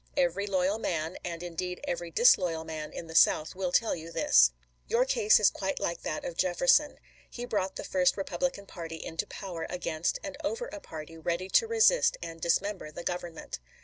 Every loyal man, and indeed every disloyal man, in the South, will tell you this. Your case is quite like that of Jefferson. He brought the first Republican party into power against and over a party ready to resist and dismember the Government.